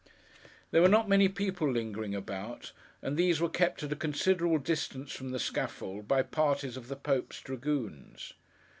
There were not many people lingering about; and these were kept at a considerable distance from the scaffold, by parties of the Pope's dragoons.